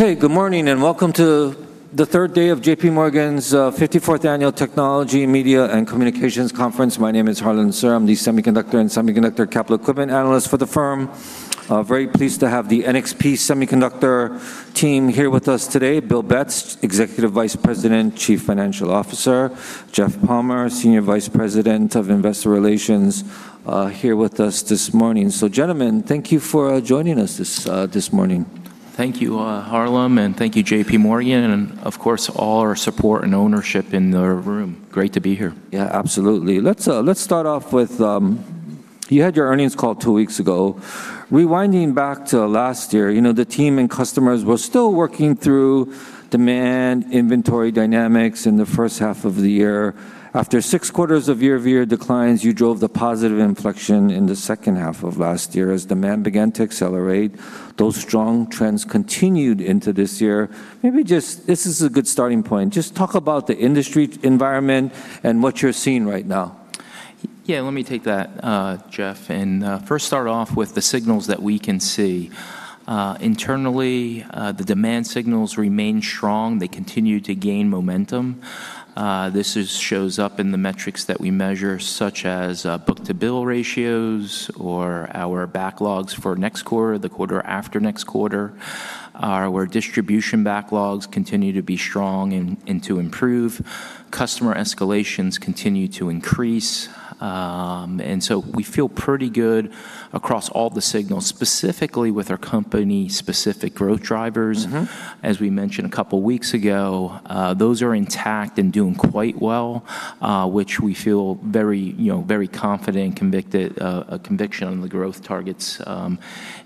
Okay, good morning, welcome to the third day of JPMorgan's 54th Annual Technology, Media, and Communications Conference. My name is Harlan Sur. I'm the Semiconductor and Semiconductor Capital Equipment Analyst for the firm. Very pleased to have the NXP Semiconductors team here with us today. Bill Betz, Executive Vice President, Chief Financial Officer, Jeff Palmer, Senior Vice President of Investor Relations here with us this morning. Gentlemen, thank you for joining us this morning. Thank you, Harlan, and thank you, JPMorgan, and of course, all our support and ownership in the room. Great to be here. Yeah, absolutely. Let's start off with, you had your earnings call two weeks ago. Rewinding back to last year, the team and customers were still working through demand inventory dynamics in the first half of the year. After six quarters of year-over-year declines, you drove the positive inflection in the second half of last year as demand began to accelerate. Those strong trends continued into this year. Maybe just, this is a good starting point. Just talk about the industry environment and what you're seeing right now. Yeah, let me take that, Jeff, and first start off with the signals that we can see. Internally, the demand signals remain strong. They continue to gain momentum. This shows up in the metrics that we measure, such as book-to-bill ratios or our backlogs for next quarter, the quarter after next quarter, our distribution backlogs continue to be strong and to improve. Customer escalations continue to increase. We feel pretty good across all the signals, specifically with our company-specific growth drivers. As we mentioned a couple of weeks ago, those are intact and doing quite well, which we feel very confident, a conviction on the growth targets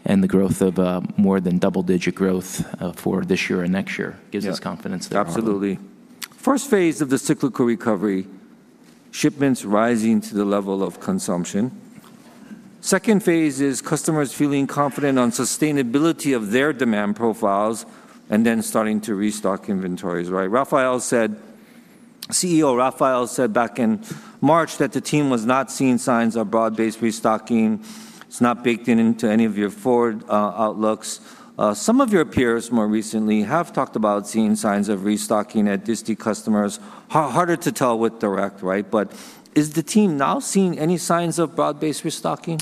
and the growth of more than double-digit growth for this year and next year gives us confidence there, Harlan. Absolutely. First phase of the cyclical recovery, shipments rising to the level of consumption. Second phase is customers feeling confident on sustainability of their demand profiles and then starting to restock inventories, right? CEO Rafael said back in March that the team was not seeing signs of broad-based restocking. It's not baked into any of your forward outlooks. Some of your peers more recently have talked about seeing signs of restocking at disti customers. Harder to tell with direct, right? Is the team now seeing any signs of broad-based restocking?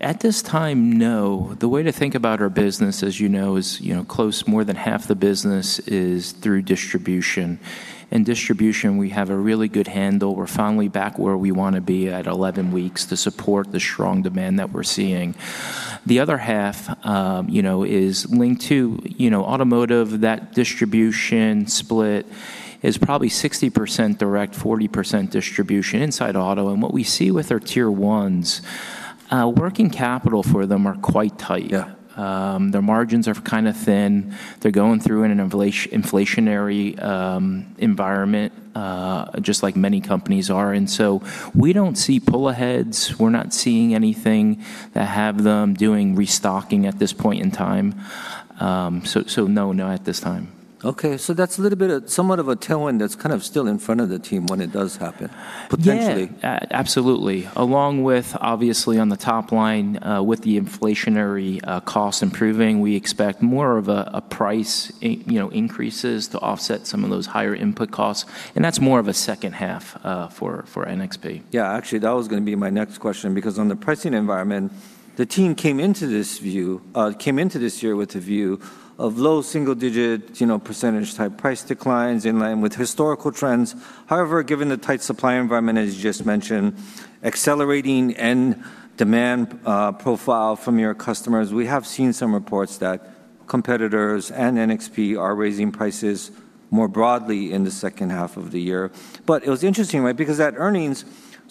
At this time, no. The way to think about our business, as you know, is close more than half the business is through distribution. In distribution, we have a really good handle. We're finally back where we want to be at 11 weeks to support the strong demand that we're seeing. The other half is linked to automotive. That distribution split is probably 60% direct, 40% distribution inside auto. What we see with our Tier 1s, working capital for them are quite tight. Yeah. Their margins are kind of thin. They're going through in an inflationary environment, just like many companies are. We don't see pull aheads. We're not seeing anything that have them doing restocking at this point in time. No, not at this time. Okay, that's a little bit of somewhat of a tailwind that's kind of still in front of the team when it does happen, potentially. Yeah. Absolutely. Along with, obviously, on the top line, with the inflationary costs improving, we expect more of a price increases to offset some of those higher input costs, and that's more of a second half for NXP. Actually, that was going to be my next question. On the pricing environment, the team came into this year with a view of low single-digit percentage type price declines in line with historical trends. Given the tight supply environment, as you just mentioned, accelerating end demand profile from your customers, we have seen some reports that competitors and NXP are raising prices more broadly in the second half of the year. It was interesting, right? At earnings,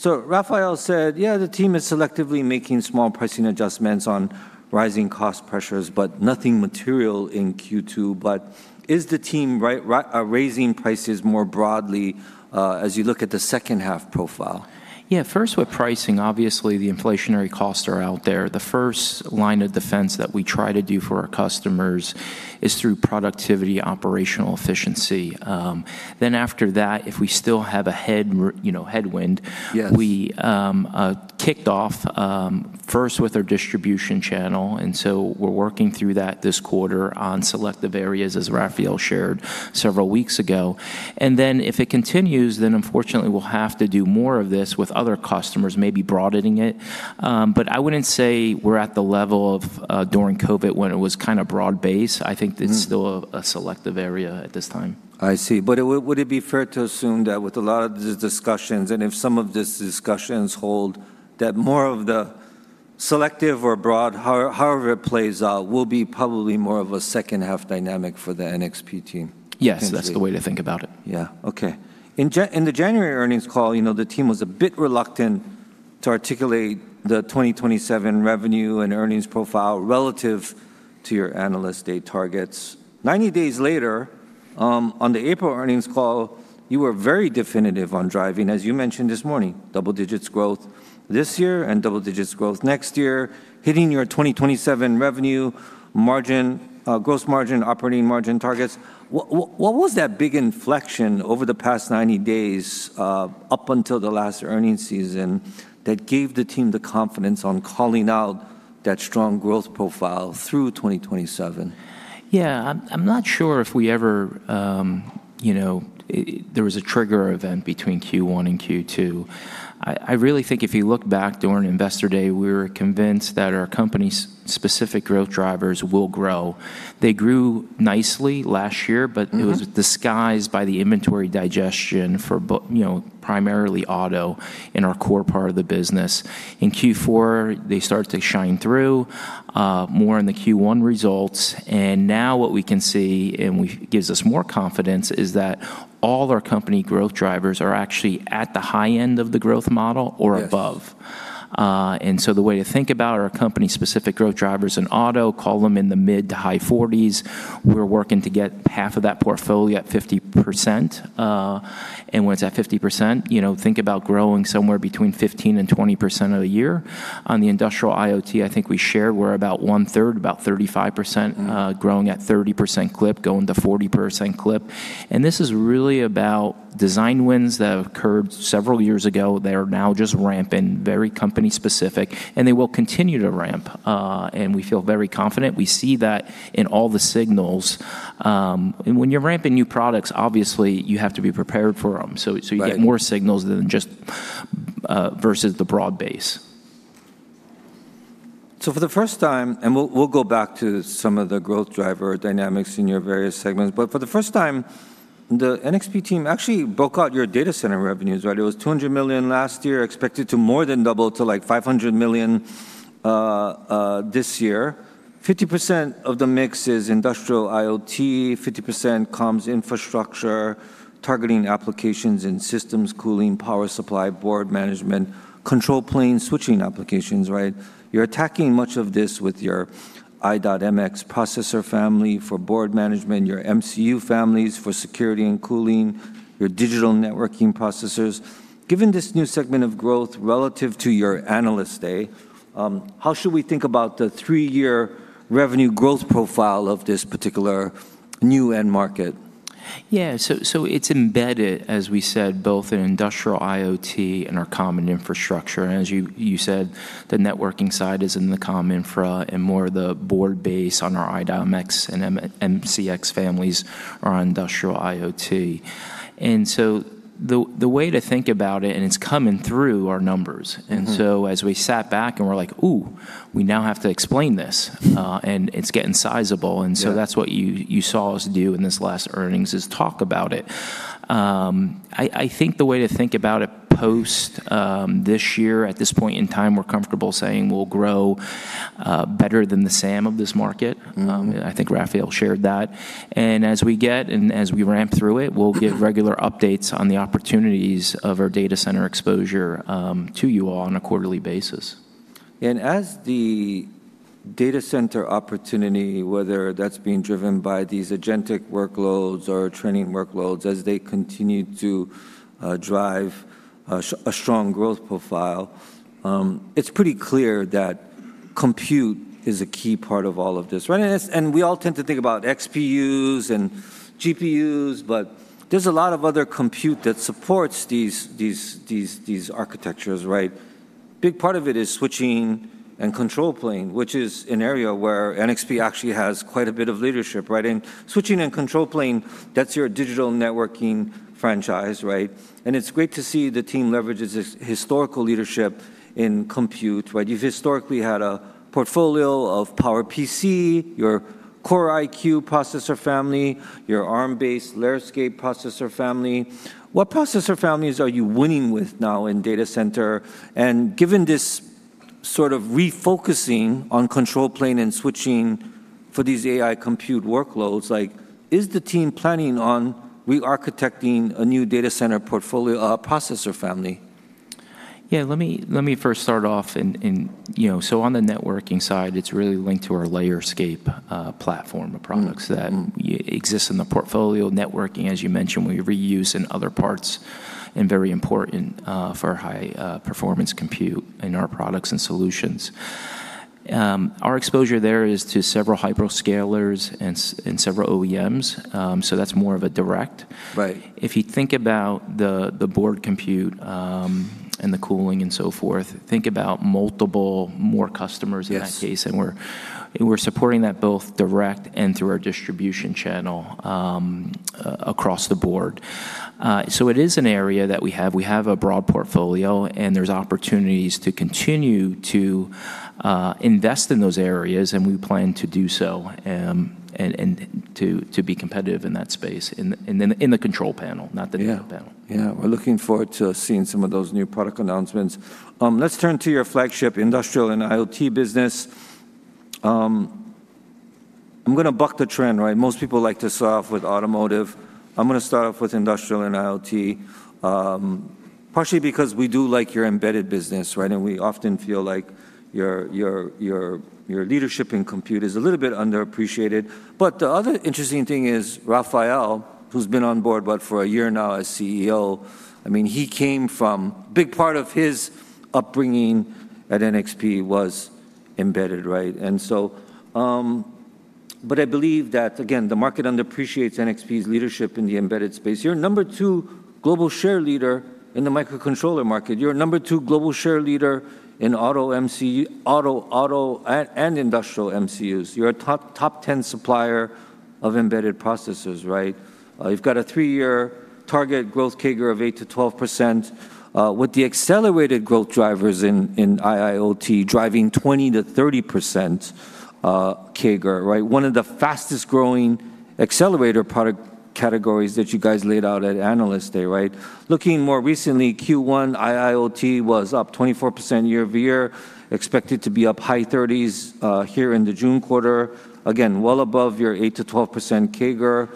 Rafael said, the team is selectively making small pricing adjustments on rising cost pressures, but nothing material in Q2. Is the team raising prices more broadly as you look at the second-half profile? Yeah. First with pricing, obviously, the inflationary costs are out there. The first line of defense that we try to do for our customers is through productivity, operational efficiency. After that, if we still have a headwind. Yes We kicked off first with our distribution channel. We're working through that this quarter on selective areas, as Rafael shared several weeks ago. If it continues, then unfortunately, we'll have to do more of this with other customers, maybe broadening it. I wouldn't say we're at the level of during COVID when it was kind of broad-based. I think it's still a selective area at this time. I see. Would it be fair to assume that with a lot of these discussions, and if some of these discussions hold, that more of the selective or broad, however it plays out, will be probably more of a second-half dynamic for the NXP team? Yes, that's the way to think about it. Yeah. Okay. In the January earnings call, the team was a bit reluctant to articulate the 2027 revenue and earnings profile relative to your analyst day targets. 90 days later, on the April earnings call, you were very definitive on driving, as you mentioned this morning, double-digits growth this year and double-digits growth next year, hitting your 2027 revenue margin, gross margin, operating margin targets. What was that big inflection over the past 90 days up until the last earnings season that gave the team the confidence on calling out that strong growth profile through 2027? Yeah. I'm not sure if there was a trigger event between Q1 and Q2. I really think if you look back during Investor Day, we were convinced that our company's specific growth drivers will grow. They grew nicely last year, but it was disguised by the inventory digestion for primarily auto in our core part of the business. In Q4, they started to shine through more in the Q1 results, and now what we can see, and it gives us more confidence, is that all our company growth drivers are actually at the high end of the growth model or above. Yes. The way to think about our company-specific growth drivers in Auto, call them in the mid-to-high 40s. We're working to get half of that portfolio at 50%. Once at 50%, think about growing somewhere between 15%-20% of the year. On the Industrial IoT, I think we shared we're about 1/3, about 35%, growing at 30% clip, going to 40% clip. This is really about design wins that have occurred several years ago. They are now just ramping, very company specific, and they will continue to ramp. We feel very confident. We see that in all the signals. When you're ramping new products, obviously you have to be prepared for them. Right. You get more signals than just versus the broad base. For the first time, and we'll go back to some of the growth driver dynamics in your various segments, but for the first time, the NXP team actually broke out your data center revenues. It was $200 million last year, expected to more than double to $500 million this year. 50% of the mix is Industrial IoT, 50% comms infrastructure, targeting applications and systems cooling, power supply, board management, control plane switching applications. You're attacking much of this with your i.MX processor family for board management, your MCU families for security and cooling, your digital networking processors. Given this new segment of growth relative to your Analyst Day, how should we think about the three-year revenue growth profile of this particular new end market? Yeah. It's embedded, as we said, both in industrial IoT and our comm infrastructure. As you said, the networking side is in the comm infra and more of the board base on our i.MX and MCX families are on industrial IoT. The way to think about it, and it's coming through our numbers. As we sat back and we're like, "Ooh, we now have to explain this," and it's getting sizable. Yeah. That's what you saw us do in this last earnings, is talk about it. I think the way to think about it post this year at this point in time, we're comfortable saying we'll grow better than the SAM of this market. I think Rafael shared that. As we ramp through it, we'll give regular updates on the opportunities of our data center exposure to you all on a quarterly basis. As the data center opportunity, whether that's being driven by these agentic workloads or training workloads as they continue to drive a strong growth profile, it's pretty clear that compute is a key part of all of this. We all tend to think about XPUs and GPUs, but there's a lot of other compute that supports these architectures. A big part of it is switching and control plane, which is an area where NXP actually has quite a bit of leadership. Switching and control plane, that's your digital networking franchise. It's great to see the team leverage its historical leadership in compute. You've historically had a portfolio of PowerPC, your QorIQ processor family, your Arm-based Layerscape processor family. What processor families are you winning with now in data center? Given this sort of refocusing on control plane and switching for these AI compute workloads, is the team planning on re-architecting a new data center portfolio or processor family? Yeah, let me first start off on the networking side, it's really linked to our Layerscape platform of products that exist in the portfolio. Networking, as you mentioned, we reuse in other parts and very important for high-performance compute in our products and solutions. Our exposure there is to several hyperscalers and several OEMs. That's more of a direct. Right. If you think about the board compute and the cooling and so forth, think about multiple more customers in that case. Yes. We're supporting that both direct and through our distribution channel across the board. It is an area that we have. We have a broad portfolio, and there's opportunities to continue to invest in those areas, and we plan to do so and to be competitive in that space in the control plane, not the data plane. Yeah. We're looking forward to seeing some of those new product announcements. Let's turn to your flagship industrial and IoT business. I'm going to buck the trend. Most people like to start off with automotive. I'm going to start off with industrial and IoT. Partially because we do like your embedded business, and we often feel like your leadership in compute is a little bit underappreciated. The other interesting thing is Rafael, who's been on board, what, for one year now as CEO, a big part of his upbringing at NXP was embedded. I believe that, again, the market underappreciates NXP's leadership in the embedded space. You're number 2 global share leader in the microcontroller market. You're number 2 global share leader in auto and industrial MCUs. You're a top 10 supplier of embedded processors, right? You've got a three-year target growth CAGR of 8%-12%, with the accelerated growth drivers in IIoT driving 20%-30% CAGR. Right? One of the fastest-growing accelerator product categories that you guys laid out at Analyst Day, right? Looking more recently, Q1 IIoT was up 24% year-over-year, expected to be up high 30s here in the June quarter. Again, well above your 8%-12% CAGR.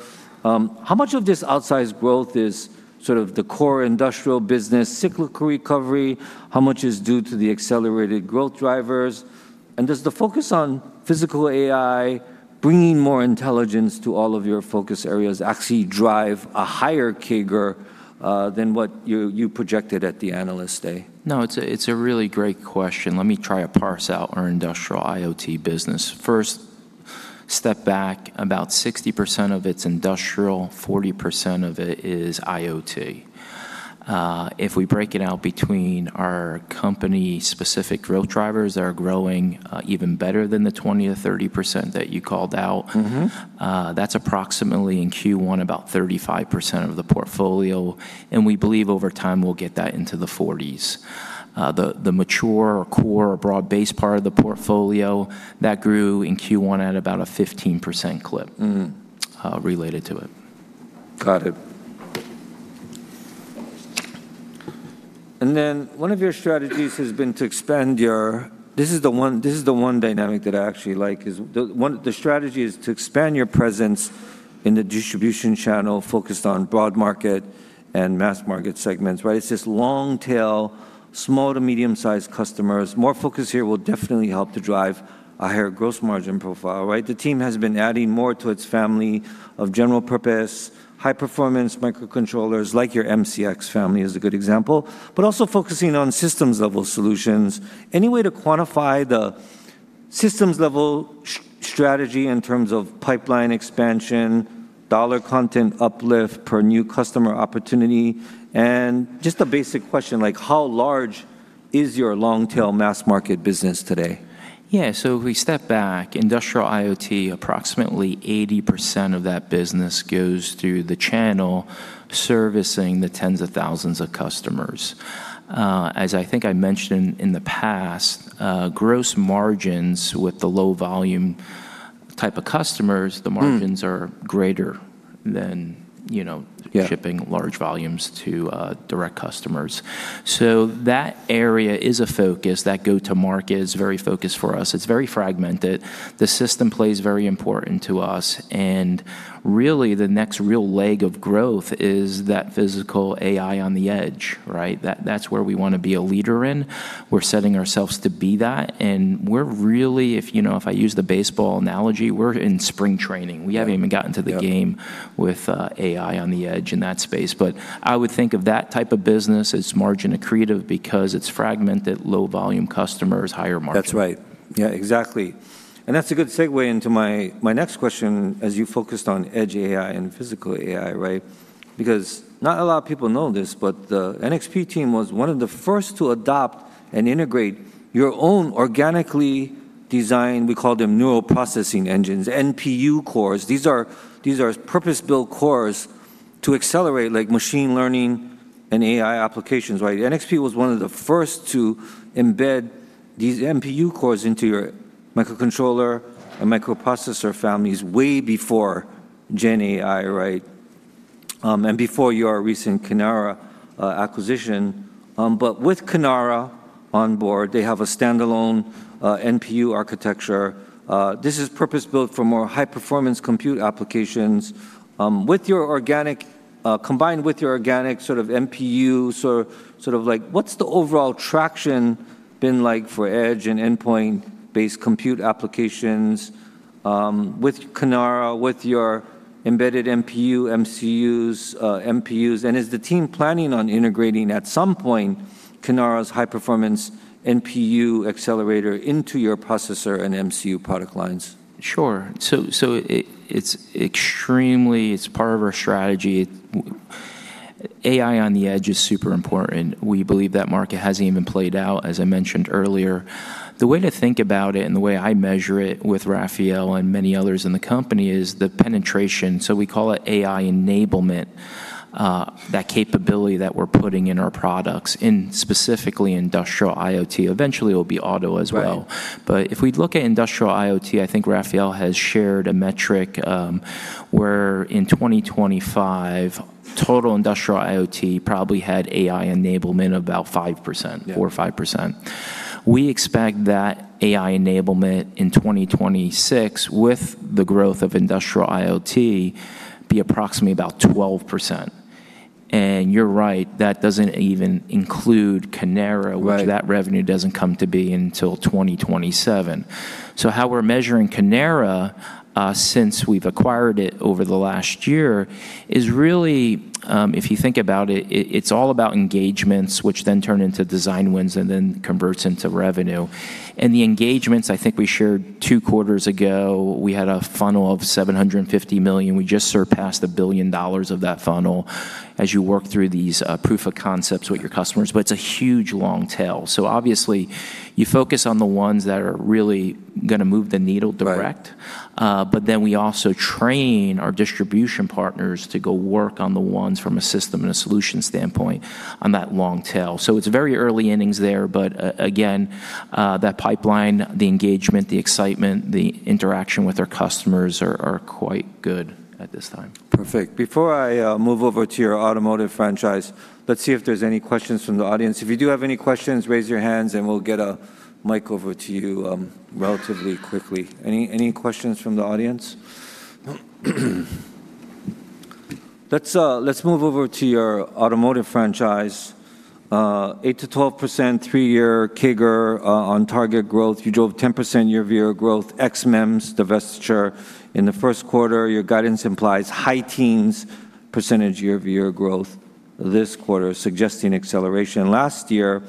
How much of this outsized growth is sort of the core industrial business cyclical recovery? How much is due to the accelerated growth drivers? And does the focus on physical AI bringing more intelligence to all of your focus areas actually drive a higher CAGR than what you projected at the Analyst Day? No, it's a really great question. Let me try to parse out our industrial IoT business. First, step back, about 60% of it's industrial, 40% of it is IoT. If we break it out between our company-specific growth drivers that are growing even better than the 20%-30% that you called out. That's approximately in Q1 about 35% of the portfolio. We believe over time, we'll get that into the 40s. The mature or core or broad-based part of the portfolio, that grew in Q1 at about a 15% clip. related to it. Got it. One of your strategies has been to expand your presence in the distribution channel focused on broad market and mass market segments. Right? It's this long-tail, small to medium-sized customers. More focus here will definitely help to drive a higher gross margin profile, right? The team has been adding more to its family of general-purpose, high-performance microcontrollers, like your MCX family is a good example, but also focusing on systems-level solutions. Any way to quantify the systems-level strategy in terms of pipeline expansion, dollar content uplift per new customer opportunity? Just a basic question, how large is your long-tail mass market business today? Yeah. If we step back, industrial IoT, approximately 80% of that business goes through the channel servicing the tens of thousands of customers. As I think I mentioned in the past, gross margins with the low-volume type of customers, the margins are greater than shipping large volumes to direct customers. That area is a focus. That go-to-market is very focused for us. It's very fragmented. The system play is very important to us, and really, the next real leg of growth is that physical AI on the edge. Right. That's where we want to be a leader in. We're setting ourselves to be that, and we're really, if I use the baseball analogy, we're in spring training. We haven't even gotten to the game with AI on the edge in that space. I would think of that type of business as margin accretive because it's fragmented, low-volume customers, higher margin. That's right. Yeah, exactly. That's a good segue into my next question, as you focused on edge AI and physical AI, right? Because not a lot of people know this, but the NXP team was one of the first to adopt and integrate your own organically designed, we call them neural processing engines, NPU cores. These are purpose-built cores to accelerate machine learning and AI applications. Right? NXP was one of the first to embed these NPU cores into your microcontroller and microprocessor families way before GenAI, right? Before your recent Kinara acquisition. With Kinara on board, they have a standalone NPU architecture. This is purpose-built for more high-performance compute applications. Combined with your organic sort of NPU, what's the overall traction been like for edge and endpoint-based compute applications with Kinara, with your embedded NPU, MCUs, NPUs? Is the team planning on integrating, at some point, Kinara's high-performance NPU accelerator into your processor and MCU product lines? Sure. It's part of our strategy. AI on the edge is super important. We believe that market hasn't even played out, as I mentioned earlier. The way to think about it and the way I measure it with Rafael and many others in the company is the penetration. We call it AI enablement, that capability that we're putting in our products in specifically Industrial IoT. Eventually, it'll be auto as well. Right. If we look at industrial IoT, I think Rafael has shared a metric where in 2025, total industrial IoT probably had AI enablement about 5%. Yeah. 4% or 5%. We expect that AI enablement in 2026, with the growth of Industrial IoT, be approximately about 12%. You're right, that doesn't even include Kinara- Right which that revenue doesn't come to be until 2027. How we're measuring Kinara, since we've acquired it over the last year, is really, if you think about it's all about engagements, which then turn into design wins and then converts into revenue. The engagements, I think we shared two quarters ago, we had a funnel of $750 million. We just surpassed $1 billion of that funnel as you work through these proof of concepts with your customers. It's a huge long tail. Obviously you focus on the ones that are really going to move the needle direct. Right. We also train our distribution partners to go work on the ones from a system and a solution standpoint on that long tail. It's very early innings there, but again, that pipeline, the engagement, the excitement, the interaction with our customers are quite good at this time. Perfect. Before I move over to your automotive franchise, let's see if there's any questions from the audience. If you do have any questions, raise your hands, and we'll get a mic over to you relatively quickly. Any questions from the audience? Let's move over to your automotive franchise. 8%-12% three-year CAGR on target growth. You drove 10% year-over-year growth, MEMS divestiture in the first quarter. Your guidance implies high teens percentage year-over-year growth this quarter, suggesting acceleration. Last year,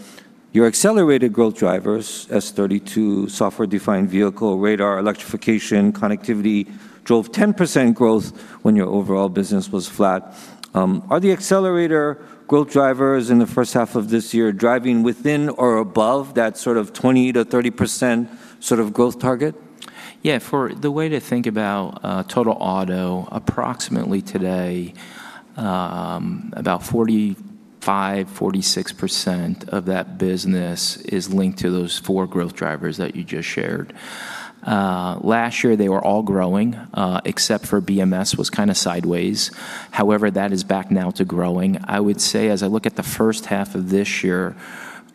your accelerated growth drivers, S32, software-defined vehicle, radar, electrification, connectivity, drove 10% growth when your overall business was flat. Are the accelerator growth drivers in the first half of this year driving within or above that 20%-30% sort of growth target? Yeah, the way to think about total auto, approximately today, about 45%-46% of that business is linked to those four growth drivers that you just shared. Last year, they were all growing, except for BMS was kind of sideways. That is back now to growing. I would say, as I look at the first half of this year,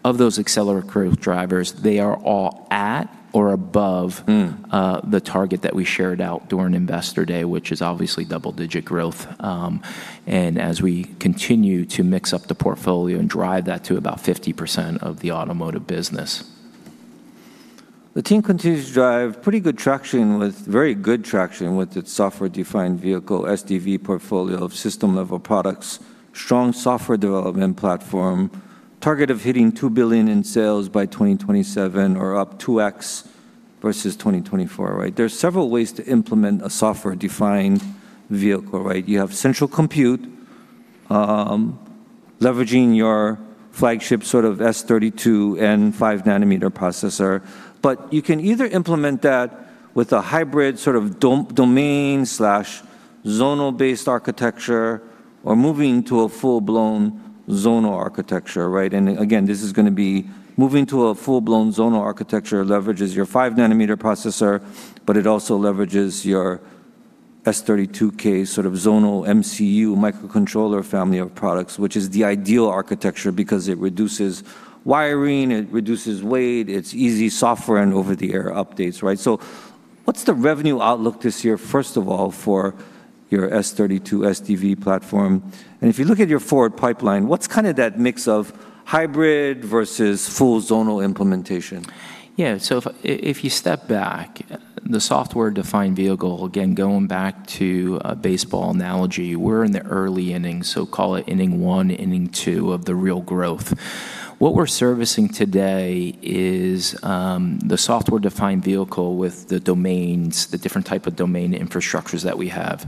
of those accelerator growth drivers, they are all at or above-. the target that we shared out during Investor Day, which is obviously double-digit growth, and as we continue to mix up the portfolio and drive that to about 50% of the automotive business. The team continues to drive very good traction with its software-defined vehicle, SDV portfolio of system-level products, strong software development platform, target of hitting $2 billion in sales by 2027 or up 2x versus 2024, right? There's several ways to implement a software-defined vehicle, right? You have central compute, leveraging your flagship sort of S32 and 5 nanometer processor. You can either implement that with a hybrid sort of domain/zonal based architecture or moving to a full-blown zonal architecture, right? Again, this is going to be moving to a full-blown zonal architecture leverages your 5 nanometer processor, but it also leverages your S32K sort of zonal MCU microcontroller family of products, which is the ideal architecture because it reduces wiring, it reduces weight, it's easy software and over-the-air updates, right? What's the revenue outlook this year, first of all, for your S32 SDV platform? If you look at your forward pipeline, what's kind of that mix of hybrid versus full zonal implementation? Yeah. If you step back, the software-defined vehicle, again, going back to a baseball analogy, we're in the early innings, call it inning 1, inning 2 of the real growth. What we're servicing today is the software-defined vehicle with the domains, the different type of domain infrastructures that we have.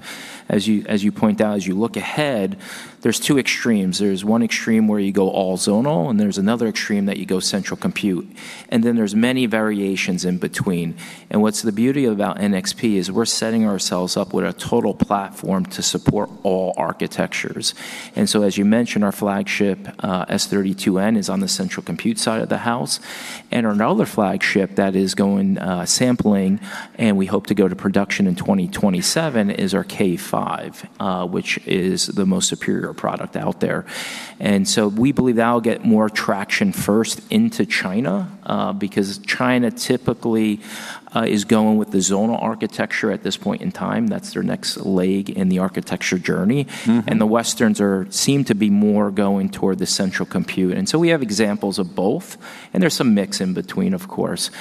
As you point out, as you look ahead, there's two extremes. There's extreme where you go all zonal, there's another extreme that you go central compute, there's many variations in between. What's the beauty about NXP is we're setting ourselves up with a total platform to support all architectures. As you mentioned, our flagship, S32N is on the central compute side of the house, another flagship that is going sampling, we hope to go to production in 2027, is our S32K5, which is the most superior product out there. We believe that'll get more traction first into China, because China typically is going with the zonal architecture at this point in time. That's their next leg in the architecture journey. The Westerns seem to be more going toward the central compute. We have examples of both, and there's some mix in between, of course.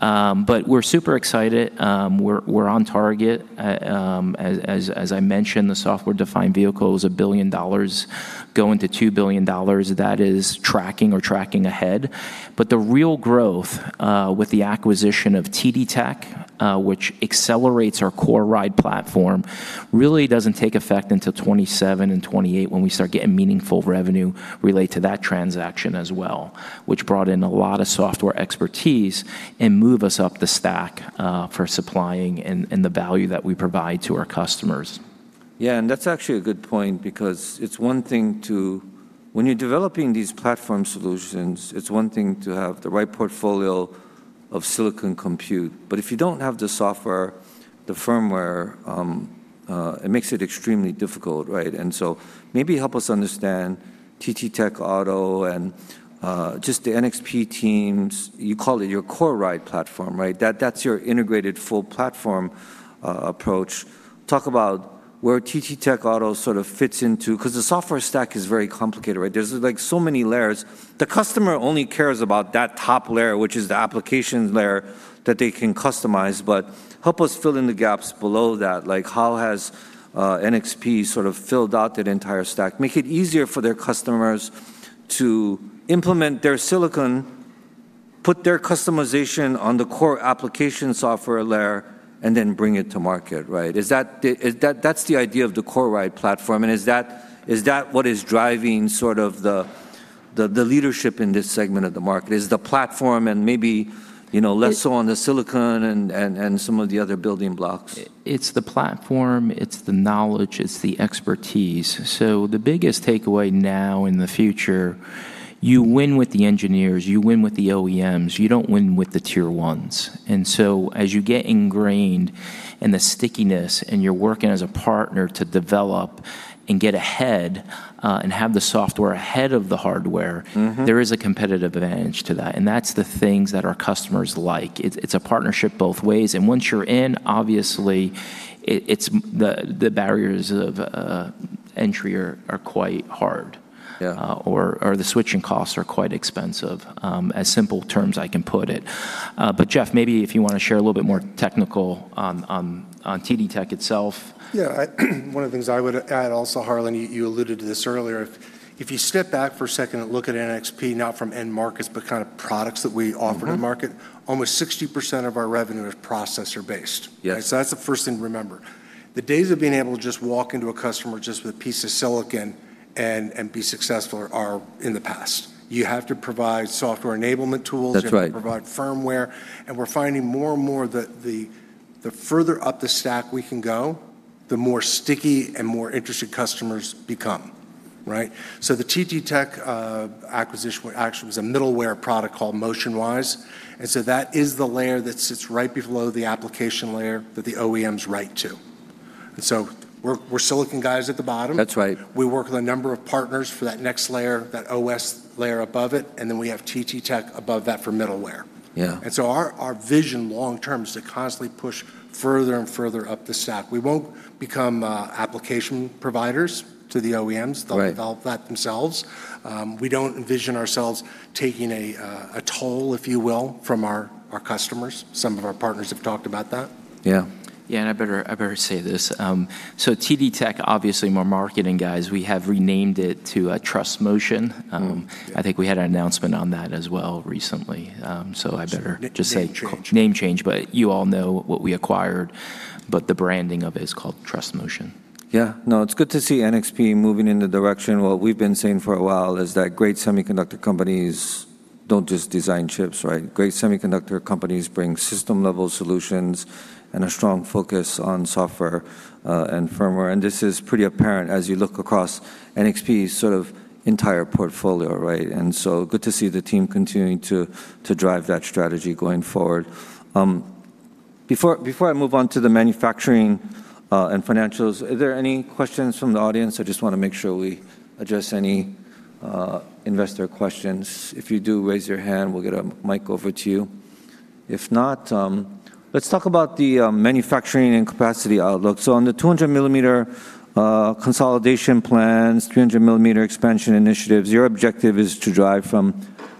We're super excited. We're on target. As I mentioned, the software-defined vehicle is $1 billion, going to $2 billion. That is tracking or tracking ahead. The real growth, with the acquisition of TTTech, which accelerates our CoreRide platform, really doesn't take effect until 2027 and 2028 when we start getting meaningful revenue related to that transaction as well, which brought in a lot of software expertise and move us up the stack for supplying and the value that we provide to our customers. That's actually a good point because it's one thing when you're developing these platform solutions, it's one thing to have the right portfolio of silicon compute. If you don't have the software, the firmware, it makes it extremely difficult, right? Maybe help us understand TTTech Auto and just the NXP teams, you call it your CoreRide platform, right? That's your integrated full platform approach. Where TTTech Auto fits into, because the software stack is very complicated. There's so many layers. The customer only cares about that top layer, which is the application layer that they can customize, help us fill in the gaps below that. How has NXP filled out that entire stack, make it easier for their customers to implement their silicon, put their customization on the core application software layer, bring it to market? That's the idea of the CoreRide platform. Is that what is driving the leadership in this segment of the market? Is the platform and maybe less so on the silicon and some of the other building blocks? It's the platform, it's the knowledge, it's the expertise. The biggest takeaway now in the future, you win with the engineers, you win with the OEMs, you don't win with the Tier 1s. As you get ingrained in the stickiness and you're working as a partner to develop and get ahead, and have the software ahead of the hardware. There is a competitive advantage to that, and that's the things that our customers like. It's a partnership both ways, and once you're in, obviously, the barriers of entry are quite hard. Yeah. The switching costs are quite expensive, as simple terms I can put it. Jeff, maybe if you want to share a little bit more technical on TTTech itself. Yeah. One of the things I would add also, Harlan, you alluded to this earlier, if you step back for a second and look at NXP, not from end markets, but products that we offer to market, almost 60% of our revenue is processor based. Yes. That's the first thing to remember. The days of being able to just walk into a customer just with a piece of silicon and be successful are in the past. You have to provide software enablement tools. That's right. You have to provide firmware, and we're finding more and more that the further up the stack we can go, the more sticky and more interested customers become. The TTTech acquisition actually was a middleware product called MotionWise. That is the layer that sits right below the application layer that the OEMs write to. We're silicon guys at the bottom. That's right. We work with a number of partners for that next layer, that OS layer above it, and then we have TTTech above that for middleware. Yeah. Our vision long term is to constantly push further and further up the stack. We won't become application providers to the OEMs. Right. They'll develop that themselves. We don't envision ourselves taking a toll, if you will, from our customers. Some of our partners have talked about that. Yeah. Yeah, I better say this. TTTech, obviously more marketing guys, we have renamed it to TrustMotion. Mm-hmm. Yeah. I think we had an announcement on that as well recently. Sure. Name change. Name change, but you all know what we acquired, but the branding of it is called TrustMotion. Yeah. No, it's good to see NXP moving in the direction. What we've been saying for a while is that great semiconductor companies don't just design chips. Great semiconductor companies bring system-level solutions and a strong focus on software and firmware. This is pretty apparent as you look across NXP's entire portfolio. Good to see the team continuing to drive that strategy going forward. Before I move on to the manufacturing and financials, are there any questions from the audience? I just want to make sure we address any investor questions. If you do, raise your hand, we'll get a mic over to you. If not, let's talk about the manufacturing and capacity outlook. On the 200 millimeter consolidation plans, 300 millimeter expansion initiatives, your objective is to drive from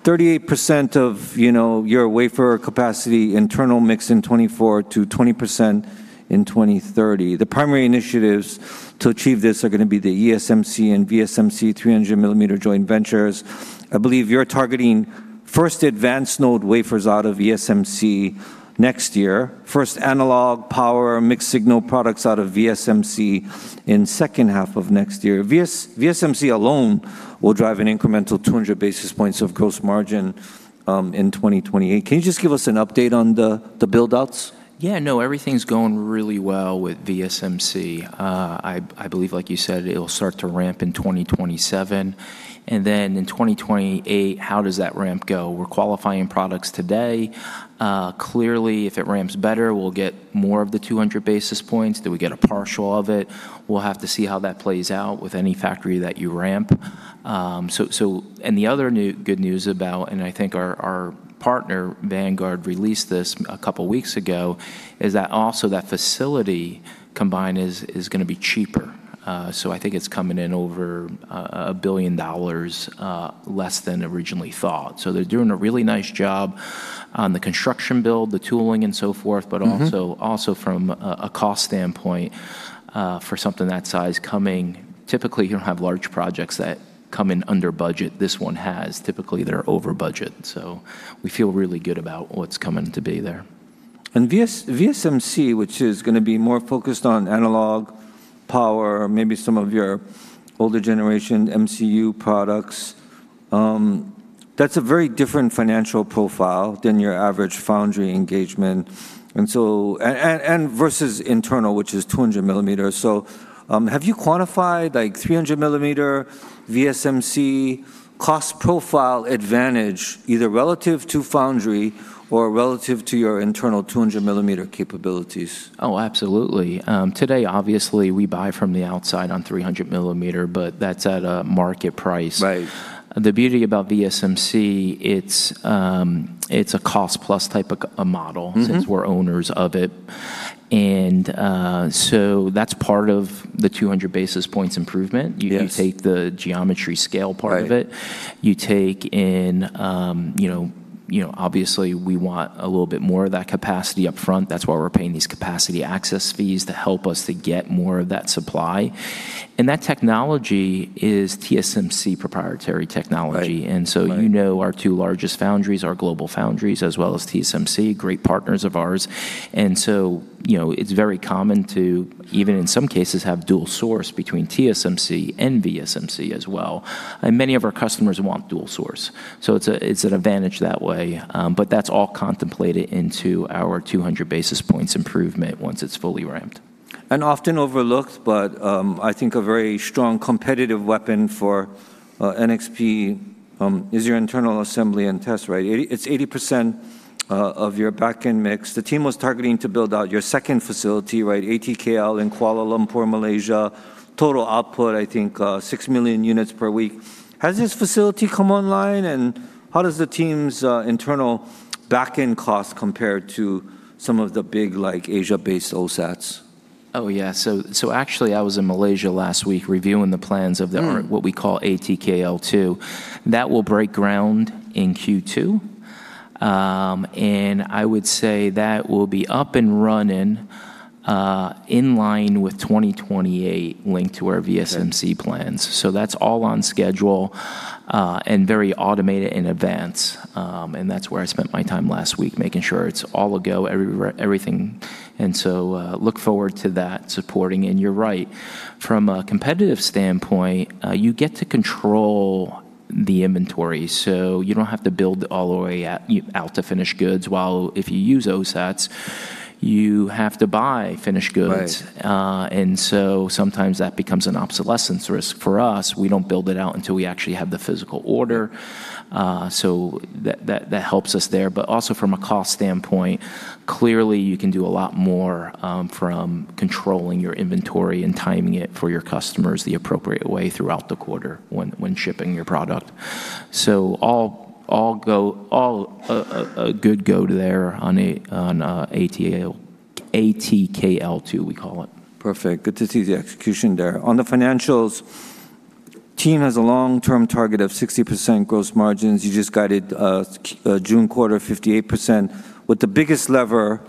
38% of your wafer capacity internal mix in 2024 to 20% in 2030. The primary initiatives to achieve this are going to be the ESMC and VSMC 300 millimeter joint ventures. I believe you're targeting first advanced node wafers out of VSMC next year, first analog, power, mixed signal products out of VSMC in second half of next year. VSMC alone will drive an incremental 200 basis points of gross margin in 2028. Can you just give us an update on the build outs? Yeah, no, everything's going really well with VSMC. I believe, like you said, it'll start to ramp in 2027. Then in 2028, how does that ramp go? We're qualifying products today. Clearly, if it ramps better, we'll get more of the 200 basis points. Do we get a partial of it? We'll have to see how that plays out with any factory that you ramp. The other good news about, and I think our partner, Vanguard, released this a couple of weeks ago, is that also that facility combined is going to be cheaper. I think it's coming in over $1 billion less than originally thought. They're doing a really nice job on the construction build, the tooling, and so forth. Also from a cost standpoint, for something that size coming, typically, you don't have large projects that come in under budget. This one has. Typically, they're over budget. We feel really good about what's coming to be there. VSMC, which is going to be more focused on analog, power, maybe some of your older generation MCU products, that's a very different financial profile than your average foundry engagement and versus internal, which is 200 millimeters. Have you quantified 300 millimeter VSMC cost profile advantage either relative to foundry or relative to your internal 200 millimeter capabilities? Oh, absolutely. Today, obviously, we buy from the outside on 300 millimeter, but that's at a market price. Right. The beauty about VSMC, it's a cost-plus type of model. Since we're owners of it. That's part of the 200 basis points improvement. Yes. You take the geometry scale part of it. Right. You take in, obviously, we want a little bit more of that capacity up front. That's why we're paying these capacity access fees to help us to get more of that supply. That technology is TSMC proprietary technology. Right. You know our two largest foundries, our GlobalFoundries, as well as TSMC, great partners of ours. It's very common to, even in some cases, have dual source between TSMC and VSMC as well. Many of our customers want dual source, so it's an advantage that way. That's all contemplated into our 200 basis points improvement once it's fully ramped. Often overlooked, I think a very strong competitive weapon for NXP is your internal assembly and test, right? It's 80% of your backend mix. The team was targeting to build out your second facility, right, ATKL in Kuala Lumpur, Malaysia. Total output, I think 6 million units per week. Has this facility come online? How does the team's internal backend cost compare to some of the big Asia-based OSATs? Oh, yeah. Actually, I was in Malaysia last week reviewing the plans. what we call ATKL2. That will break ground in Q2. I would say that will be up and running in line with 2028, linked to our VSMC plans. That's all on schedule, and very automated in advance. That's where I spent my time last week, making sure it's all a go, everything. Look forward to that supporting. You're right, from a competitive standpoint, you get to control the inventory, so you don't have to build all the way out to finished goods, while if you use OSATs, you have to buy finished goods. Right. Sometimes that becomes an obsolescence risk for us. We don't build it out until we actually have the physical order. That helps us there. Also from a cost standpoint, clearly you can do a lot more from controlling your inventory and timing it for your customers the appropriate way throughout the quarter when shipping your product. All a good go there on ATKL2, we call it. Perfect. Good to see the execution there. On the financials, team has a long-term target of 60% gross margins. You just guided June quarter 58%, with the biggest lever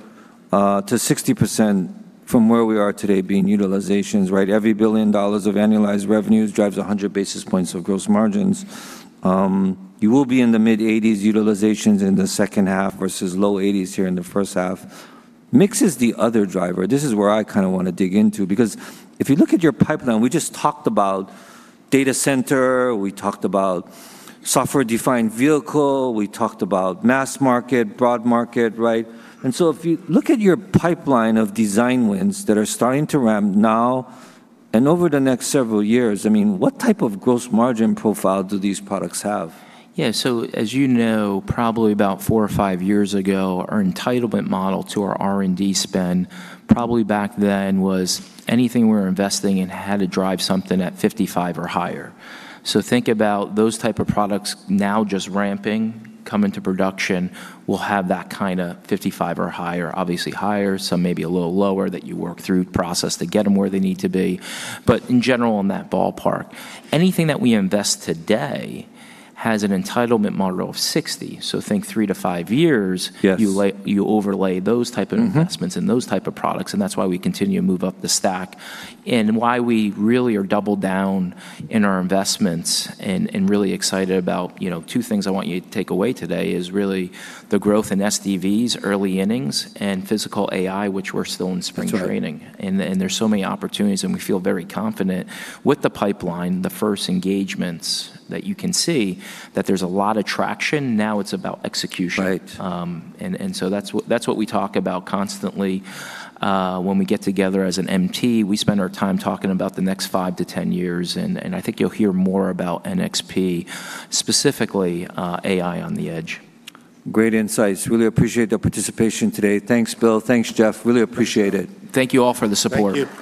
to 60% from where we are today being utilizations, right? Every $1 billion of annualized revenues drives 100 basis points of gross margins. You will be in the mid-80s utilizations in the second half versus low 80s here in the first half. Mix is the other driver. This is where I kind of want to dig into, because if you look at your pipeline, we just talked about data center, we talked about software-defined vehicle, we talked about mass market, broad market, right? If you look at your pipeline of design wins that are starting to ramp now and over the next several years, what type of gross margin profile do these products have? As you know, probably about four or five years ago, our entitlement model to our R&D spend probably back then was anything we're investing in had to drive something at 55 or higher. Think about those type of products now just ramping, coming to production, will have that kind of 55 or higher. Obviously higher, some may be a little lower that you work through process to get them where they need to be. In general, in that ballpark. Anything that we invest today has an entitlement model of 60. Think three to five years. Yes you overlay those type of investments. Those type of products, and that's why we continue to move up the stack and why we really are doubled down in our investments and really excited about two things I want you to take away today, is really the growth in SDVs, early innings, and physical AI, which we're still in spring training. That's right. There's so many opportunities, and we feel very confident with the pipeline, the first engagements that you can see that there's a lot of traction. Now it's about execution. Right. That's what we talk about constantly when we get together as an MT. We spend our time talking about the next five to 10 years, and I think you'll hear more about NXP, specifically AI on the edge. Great insights. Really appreciate the participation today. Thanks, Bill. Thanks, Jeff. Really appreciate it. Thank you all for the support. Thank you.